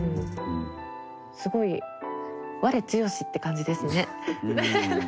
すごい我強しって感じですね。